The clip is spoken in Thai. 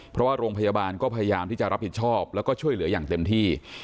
เพราะว่าโรงพยาบาลก็พยายามที่จะรับผิดชอบแล้วก็ช่วยเหลืออย่างเต็มที่